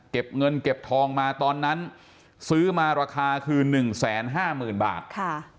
เก็บเงินเก็บทองมาตอนนั้นซื้อมาราคาคือ๑๕๐๐๐บาท